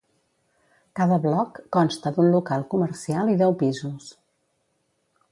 Cada bloc consta d'un local comercial i deu pisos.